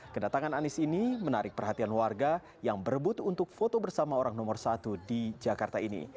kedatangan anies ini menarik perhatian warga yang berebut untuk foto bersama orang nomor satu di jakarta ini